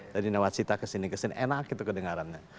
tadi menawar cita kesini kesini enak itu kedengarannya